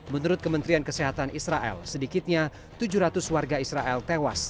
menurut kementerian kesehatan israel sedikitnya tujuh ratus warga israel tewas